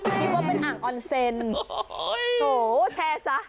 คิดว่าเป็นอ่างออนเซนโอ้โหแชร์ซะ